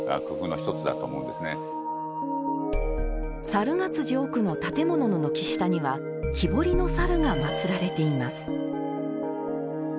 猿ヶ辻奥の、建物の軒下には木彫りの猿がまつられています。